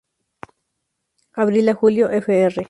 Abril a julio, fr.